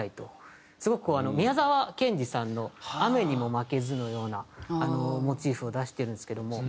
すごく宮沢賢治さんの『雨ニモマケズ』のようなモチーフを出してるんですけども。